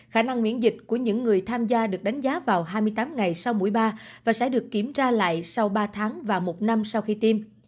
khả năng miễn dịch của những người tham gia được đánh giá vào hai mươi tám ngày sau mũi ba và sẽ được kiểm tra lại sau ba tháng và một năm sau khi tiêm